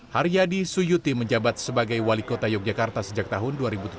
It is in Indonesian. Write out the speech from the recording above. haryadi suyuti menjabat sebagai wali kota yogyakarta sejak tahun dua ribu tujuh belas